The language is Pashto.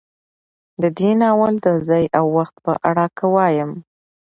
د دې ناول د ځاى او وخت په اړه که وايم